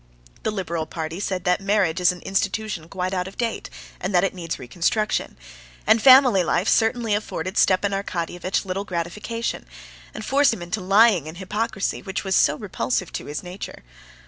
The liberal party said that marriage is an institution quite out of date, and that it needs reconstruction; and family life certainly afforded Stepan Arkadyevitch little gratification, and forced him into lying and hypocrisy, which was so repulsive to his nature.